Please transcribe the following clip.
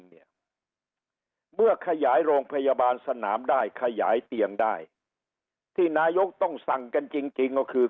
เนี่ยเมื่อขยายโรงพยาบาลสนามได้ขยายเตียงได้ที่นายกต้องสั่งกันจริงจริงก็คือ